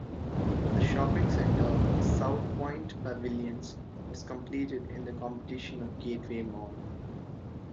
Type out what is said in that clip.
The shopping center Southpointe Pavilions was completed in competition of Gateway Mall.